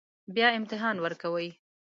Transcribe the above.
بیا امتحان ورکوئ